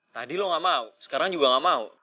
tadi lo gak mau sekarang juga gak mau